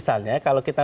supaya clear juga